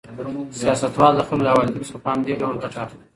سیاستوال د خلکو له عواطفو څخه په همدې ډول ګټه اخلي.